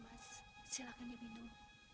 mas silahkan ya minum